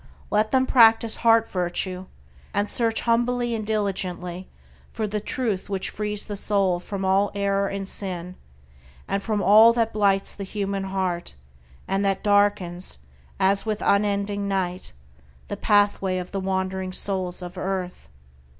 Let them practice heart virtue, and search humbly and diligently for the Truth which frees the soul from all error and sin, from all that blights the human heart, and that darkens, as with unending night, the pathway of the wandering souls of earth.